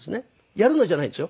「やるの？」じゃないですよ。